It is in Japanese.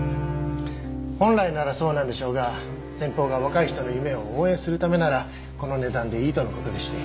本来ならそうなんでしょうが先方が若い人の夢を応援するためならこの値段でいいとの事でして。